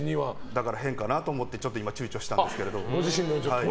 だから変かなと思って躊躇したんですけど。